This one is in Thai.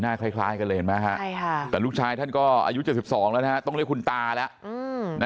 คล้ายกันเลยเห็นไหมฮะแต่ลูกชายท่านก็อายุ๗๒แล้วนะฮะต้องเรียกคุณตาแล้ว